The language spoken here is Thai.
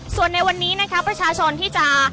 ส่วนในวันนี้นะคะประชาชนที่จะ